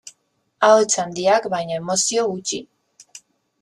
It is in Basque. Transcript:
Ahots handiak, baina emozio gutxi.